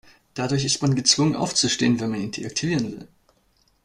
Dadurch ist man gezwungen aufzustehen, wenn man ihn deaktivieren will.